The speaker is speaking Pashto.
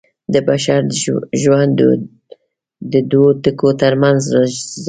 د بشر ژوند د دوو ټکو تر منځ زانګي.